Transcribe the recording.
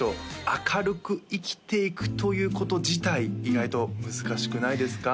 明るく生きていくということ自体意外と難しくないですか？